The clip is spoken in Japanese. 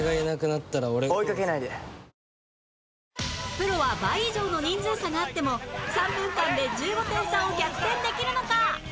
プロは倍以上の人数差があっても３分間で１５点差を逆転できるのか？